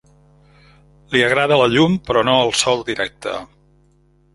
Li agrada la llum però no el sol directe.